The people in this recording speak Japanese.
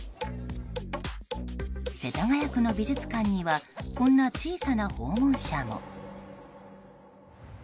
世田谷区の美術館にはこんな小さな訪問者も。